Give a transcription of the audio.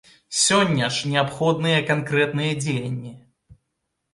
Сёння ж неабходныя канкрэтныя дзеянні.